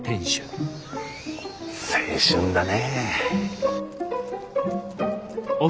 青春だね。